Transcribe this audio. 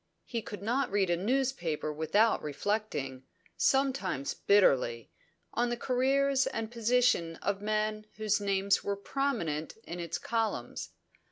He could not read a newspaper without reflecting, sometimes bitterly, on the careers and position of men whose names were prominent in its columns.